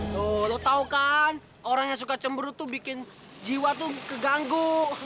loh lo tau kan orang yang suka cemberu tuh bikin jiwa tuh keganggu